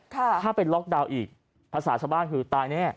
ถ้าไปล็อกดาวน์อีกภาษาชาวบ้านคือตายแน่